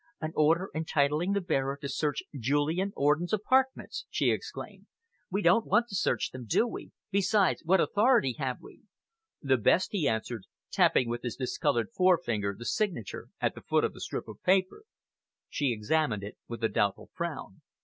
"An order entitling the bearer to search Julian Orden's apartments!" she exclaimed. "We don't want to search them, do we? Besides, what authority have we?" "The best," he answered, tapping with his discoloured forefinger the signature at the foot of the strip of paper. She examined it with a doubtful frown.